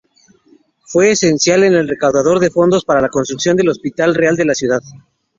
Fue esencial en recaudar fondos para la construcción del hospital real de la ciudad.